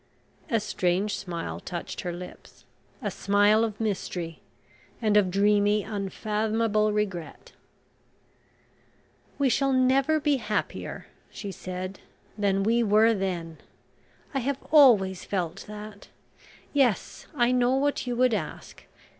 A strange smile touched her lips; a smile of mystery, and of dreamy, unfathomable regret. "We shall never be happier," she said, "than we were then. I have always felt that... yes, I know what you would ask.